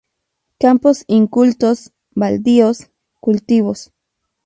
Campos incultos, baldíos, cultivos.